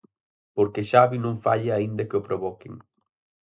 Porque Xavi non falla aínda que o provoquen.